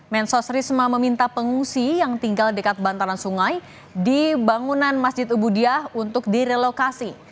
mensos risma meminta pengungsi yang tinggal dekat bantaran sungai di bangunan masjid ubudiah untuk direlokasi